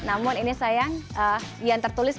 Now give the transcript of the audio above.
namun ini sayang yang tertulis